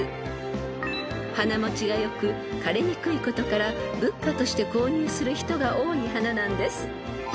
［花持ちがよく枯れにくいことから仏花として購入する人が多い花なんです］